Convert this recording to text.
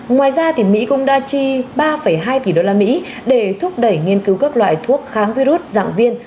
ngoài ra mỹ cũng đã chi ba hai tỷ đô la mỹ để thúc đẩy nghiên cứu các loại thuốc kháng virus dạng viên